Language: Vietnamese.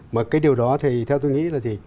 mà cái điều đó thì theo tôi nghĩ là